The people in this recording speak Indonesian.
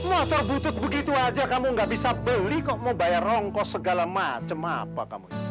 wah terbutut begitu aja kamu gak bisa beli kok mau bayar rongkos segala macam apa kamu